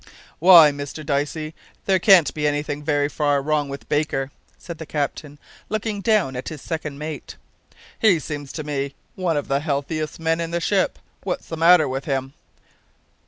"Why, Mr Dicey, there can't be anything very far wrong with Baker," said the captain, looking down at his second mate; "he seems to me one of the healthiest men in the ship. What's the matter with him?"